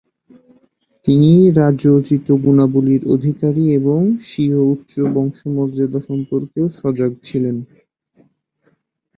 তিনি রাজোচিত গুণাবলির অধিকারী এবং স্বীয় উচ্চ বংশমর্যাদা সম্পর্কেও সজাগ ছিলেন।